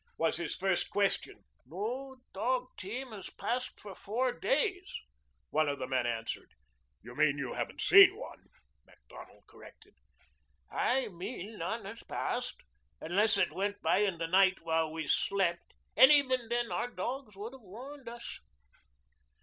was his first question. "No dog team has passed for four days," one of the men answered. "You mean you haven't seen one," Macdonald corrected. "I mean none has passed unless it went by in the night while we slept. And even then our dogs would have warned us."